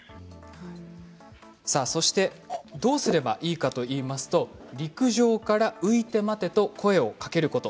どうすればいいかといいますと陸上から浮いて待てと声をかけること。